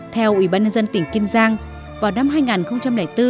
theo ủy ban nhân dân tỉnh kiên giang vào năm hai nghìn bốn